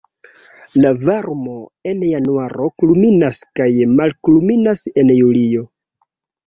La varmo en januaro kulminas kaj malkulminas en julio.